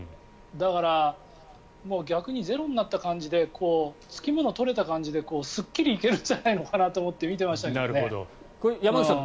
だから、逆にゼロになった感じでつきものが取れた感じですっきり行けるんじゃないのかなと思って見てましたけどね。